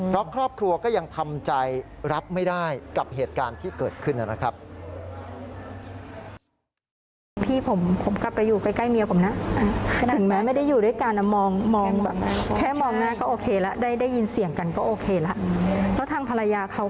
เพราะครอบครัวก็ยังทำใจรับไม่ได้กับเหตุการณ์ที่เกิดขึ้นนะครับ